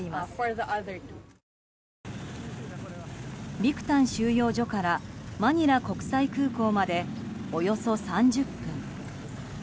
ビクタン収容所からマニラ国際空港までおよそ３０分。